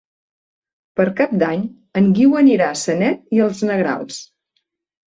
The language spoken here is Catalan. Per Cap d'Any en Guiu anirà a Sanet i els Negrals.